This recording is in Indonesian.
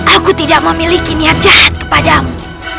aku tidak memiliki niat jahat kepadamu